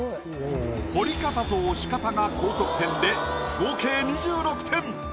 彫り方と押し方が高得点で合計２６点。